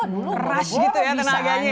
waduh rush gitu ya tenaganya